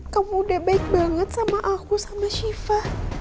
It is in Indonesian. kamu udah baik banget sama aku sama shiva